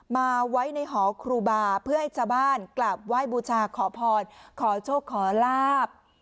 มาไว้ในหอครูบาเพื่อให้ชาวบ้านกลับไหว้บูชาขอพรขอโชคขอลาบ